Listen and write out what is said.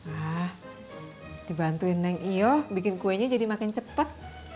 ah dibantuin neng iyo bikin kuenya jadi makin cepet